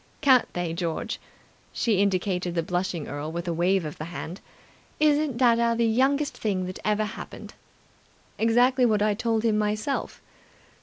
Can't they, George?" She indicated the blushing earl with a wave of the hand. "Isn't dadda the youngest thing that ever happened?" "Exactly what I told him myself."